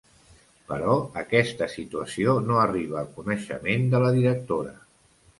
Però aquesta situació no arriba a coneixement de la directora.